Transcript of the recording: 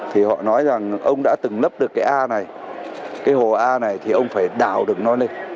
thì họ nói rằng ông đã từng lấp được cái a này cái hồ a này thì ông phải đào được nó lên